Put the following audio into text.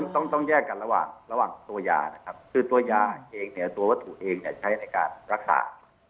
ต้องแยกกันระหว่างระหว่างตัวยานะครับคือตัวยาเองเนี่ยตัววัตถุเองใช้ในการรักษา